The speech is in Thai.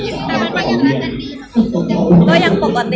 แต่บางอย่างแล้วก็ดี